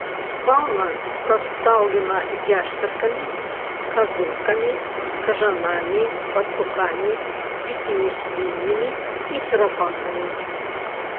Фаўна прадстаўлена яшчаркамі, казуркамі, кажанамі, пацукамі, дзікімі свіннямі і чарапахамі.